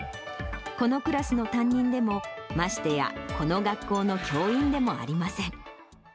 このクラスの担任でも、ましてやこの学校の教員でもありません。